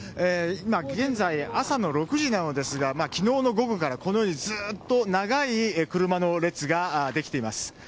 今現在、朝の６時なのですが昨日の午後からずっと長い車の列ができています。